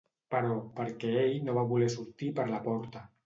Però perquè ell no va voler sortir per la porta.